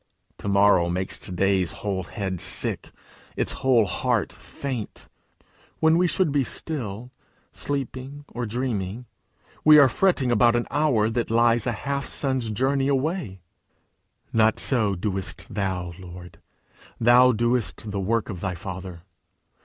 To morrow makes to day's whole head sick, its whole heart faint. When we should be still, sleeping or dreaming, we are fretting about an hour that lies a half sun's journey away! Not so doest thou, Lord! thou doest the work of thy Father!